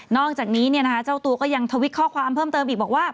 อกจากนี้เจ้าตัวก็ยังทวิตข้อความเพิ่มเติมอีกบอกว่า